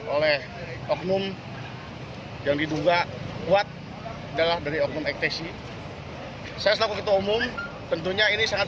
oleh oknum yang diduga kuat adalah dari oknum ekstesi saya selaku ketua umum tentunya ini sangat